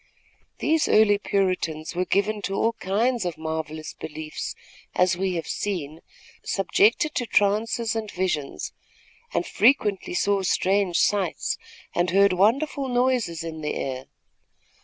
These early Puritans were given to all kinds of marvellous beliefs, as we have seen, subjected to trances and visions, and frequently saw strange sights, and heard wonderful noises in the air.